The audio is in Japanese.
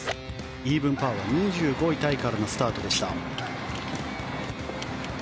イーブンパーは２５位タイからのスタートでした。